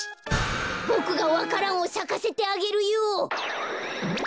ボクがわか蘭をさかせてあげるよ。